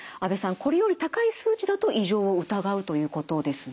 これより高い数値だと異常を疑うということですね？